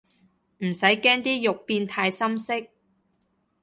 唔使驚啲肉變太深色